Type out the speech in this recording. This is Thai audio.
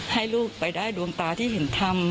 ให้ลูกไปได้ดวงตาที่ถึงทำ